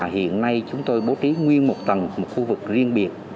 hiện nay chúng tôi bố trí nguyên một tầng một khu vực riêng biệt